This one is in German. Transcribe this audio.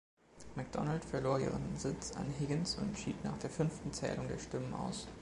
McDonald verlor ihren Sitz an Higgins und schied nach der fünften Zählung der Stimmen aus.